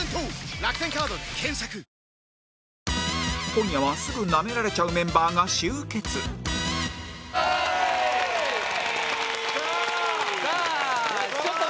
今夜はすぐナメられちゃうメンバーが集結きた！